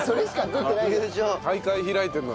大会開いてるな。